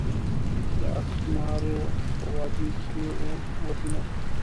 د اسمارو په وادي کښي وو ودونه